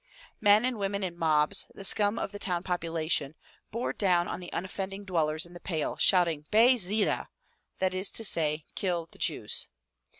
Men and women in mobs, the scum of the town population, bore down on the unoffending dwellers in the pale, shouting, "Bey Zhida!'* that is to say, Kill the Jews!"